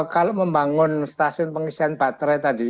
kalau membangun stasiun pengisian baterai tadi